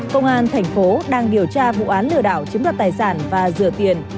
công an tp đang điều tra vụ án lừa đảo chiếm đặt tài sản và rửa tiền